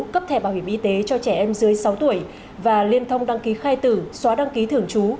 cấp thẻ bảo hiểm y tế cho trẻ em dưới sáu tuổi và liên thông đăng ký khai tử xóa đăng ký thường trú